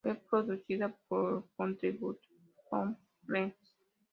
Fue precedida por "Contributions from the Queensland Herbarium".